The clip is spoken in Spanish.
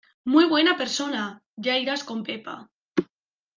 ¡Muy buena persona! ya irás con pepa.